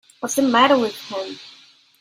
What's the matter with him.